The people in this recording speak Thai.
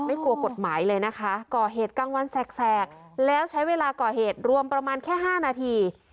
กลัวกฎหมายเลยนะคะก่อเหตุกลางวันแสกแล้วใช้เวลาก่อเหตุรวมประมาณแค่๕นาที